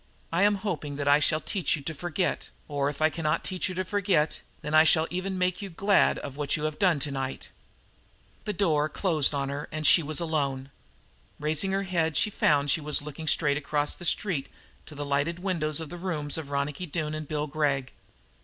I am hoping that I shall teach you to forget; or, if I cannot teach you to forget, than I shall even make you glad of what you have done tonight." The door closed on her, and she was alone. Raising her head she found she was looking straight across the street to the lighted windows of the rooms of Ronicky Doone and Bill Gregg.